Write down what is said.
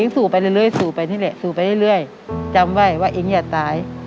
สู่ไปเรื่อยจำไว้ว่าเองอย่าตาย